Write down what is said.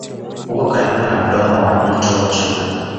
Uko karibu na mdomo wa mto Juba.